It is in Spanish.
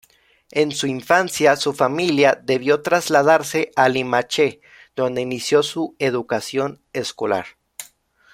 En su infancia, su familia debió trasladarse a Limache, donde inició su educación escolar.